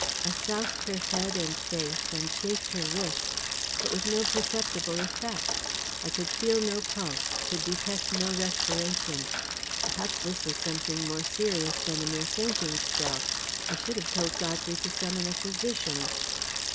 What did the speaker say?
I soused her head and face and chafed her wrists, but with no perceptible effect. I could feel no pulse, could detect no respiration; perhaps this was something more serious than a mere fainting spell. I should have told Godfrey to summon a physician.